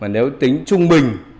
nếu tính trung bình